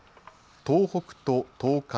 東北と東海